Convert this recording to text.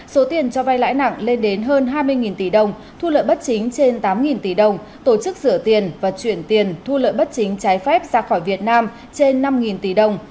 số tiền cho vay lãi nặng lên đến hơn hai mươi tỷ đồng thu lợi bất chính trên tám tỷ đồng tổ chức rửa tiền và chuyển tiền thu lợi bất chính trái phép ra khỏi việt nam trên năm tỷ đồng